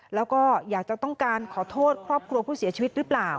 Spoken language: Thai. แล้วก็อยากจะต้องการขอโทษครอบครัวผู้เสียชีวิตหรือเปล่า